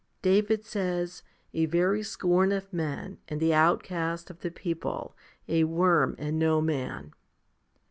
1 David says, A very scorn of men, and the outcast of the people, a worm and no man.